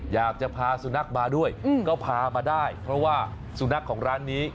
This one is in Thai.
อยากจะพาสุนัขมาด้วยก็พามาได้เพราะว่าสุนัขของร้านนี้